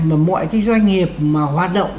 và mọi cái doanh nghiệp mà hoạt động